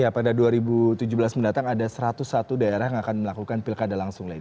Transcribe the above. pada dua ribu tujuh belas mendatang ada satu ratus satu daerah yang akan melakukan pilkada langsung lagi